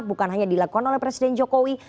bukan hanya dilakukan oleh presiden jokowi